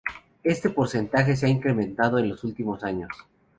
Este porcentaje se ha incrementado en los últimos años.